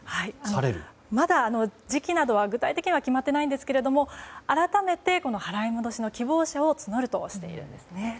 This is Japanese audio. まだ時期などは具体的には決まっていないんですけれども改めて、払い戻しの希望者を募るとしているんですね。